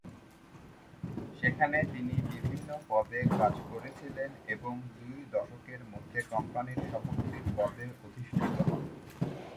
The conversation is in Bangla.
সেখানে তিনি বিভিন্ন পদে কাজ করেছিলেন, এবং দুই দশকের মধ্যে কোম্পানির সভাপতির পদে অধিষ্ঠিত হন।